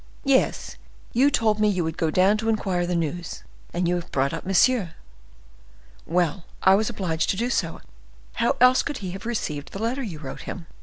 "Yes; you told me you would go down to inquire the news, and you have brought up monsieur!" "Well, I was obliged to do so—how else could he have received the letter you wrote him?"